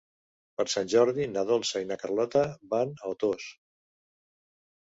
Per Sant Jordi na Dolça i na Carlota van a Otos.